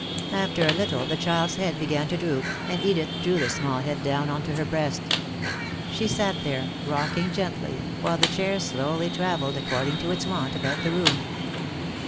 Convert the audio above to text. After a little the child's head began to droop, and Edith drew the small head down onto her breast. She sat there, rocking gently, while the chair slowly traveled, according to its wont, about the room.